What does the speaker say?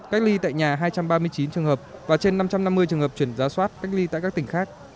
cách ly tại nhà hai trăm ba mươi chín trường hợp và trên năm trăm năm mươi trường hợp chuyển giá soát cách ly tại các tỉnh khác